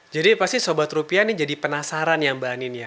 jadi pasti sobat rupiah ini jadi penasaran ya mbak anindita